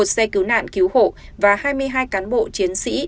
một xe cứu nạn cứu hộ và hai mươi hai cán bộ chiến sĩ